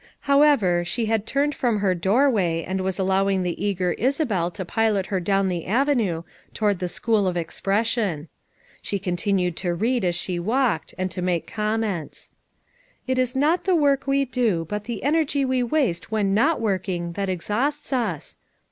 However, she had turned from her doorway and was allowing the eager Isabel to pilot her FOUR MOTHERS AT CHAUTAUQUA 313 down the avenue toward the " School of Expres sion." She continued to read, as she walked, and to make comments. u 'It is not the work we do, but the energy we waste when not work ing that exhausts us.'